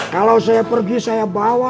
kalau saya pergi saya bawa